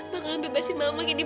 bakalan bebasin mama gini